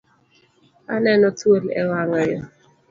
Aneno thuol e wanga yo